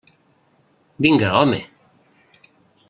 Vinga, home!